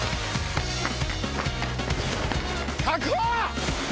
確保！